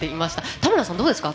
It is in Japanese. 田村さん、どうですか？